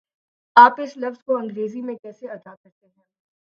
آپ اس لفظ کو انگریزی میں کیسے ادا کرتےہیں؟